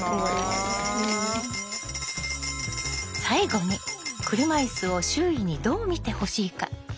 最後に車いすを周囲にどう見てほしいか？